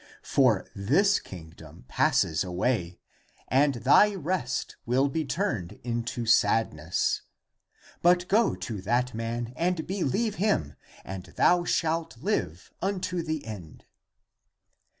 For this kingdom passes away, and thy rest (recreation) will be turned into sadness. But go to that man and believe him, and thou shalt live unto the end."